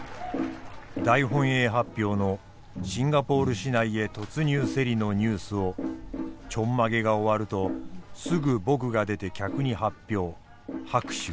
大本営発表のシンガポール市内へ突入せりのニュースをちょんまげが終わるとすぐ僕が出て客に発表拍手。